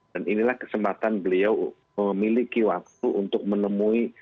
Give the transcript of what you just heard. inilah kesempatan beliau memiliki waktu untuk menemui